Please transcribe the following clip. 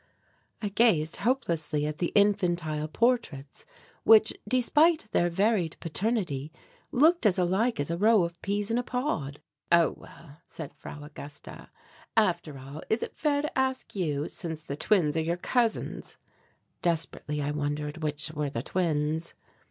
I gazed hopelessly at the infantile portraits which, despite their varied paternity, looked as alike as a row of peas in a pod. "Oh, well," said Frau Augusta, "after all is it fair to ask you, since the twins are your cousins?" Desperately I wondered which were the twins.